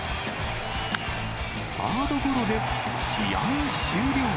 サードゴロで試合終了。